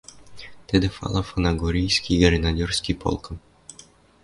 тӹдӹ пӓлӓ Фанагорийский гренадерский полкым...